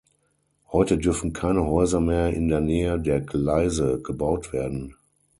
Heute dürfen keine Häuser mehr in der Nähe der Gleise gebaut werden.